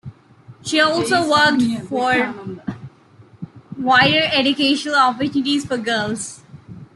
She also worked for wider educational opportunities for girls.